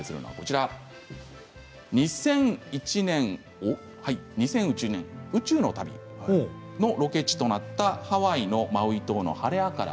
まずは「２００１年宇宙の旅」のロケ地になったハワイマウイ島のハレアカラ。